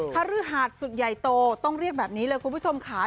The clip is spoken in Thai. ฤหาสสุดใหญ่โตต้องเรียกแบบนี้เลยคุณผู้ชมค่ะ